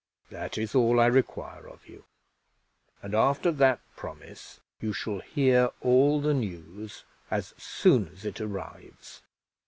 "That is all I require of you; and, after that promise, you shall hear all the news as soon as it arrives.